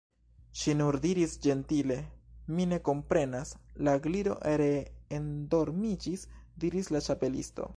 Ŝi nur diris ĝentile: "Mi ne komprenas." "La Gliro ree endormiĝis," diris la Ĉapelisto.